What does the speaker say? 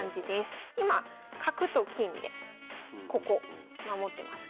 今角と金でここ守ってます。